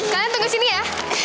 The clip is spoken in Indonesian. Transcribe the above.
kalian tunggu sini ya